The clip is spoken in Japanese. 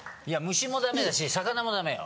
虫もダメだし魚もダメよ。